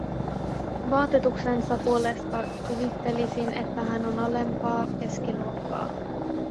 Vaatetuksensa puolesta kuvittelisin, että hän on alempaa keskiluokkaa.